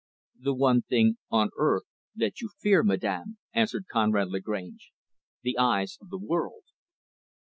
"The one thing on earth, that you fear, madam" answered Conrad Lagrange "the eyes of the world."